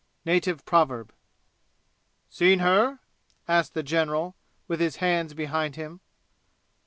Native Proverb "Seen her?" asked the general, with his hands behind him.